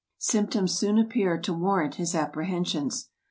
Symptoms soon appeared to warrant his apprehensions.